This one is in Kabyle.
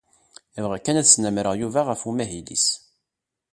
Bɣiɣ kan ad snamreɣ Yuba ɣef umahil-is.